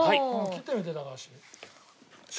切ってみて高橋。